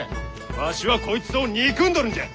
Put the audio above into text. わしはこいつを憎んどるんじゃ！